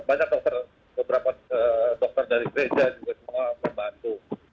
banyak dokter beberapa dokter dari gereja juga semua membantu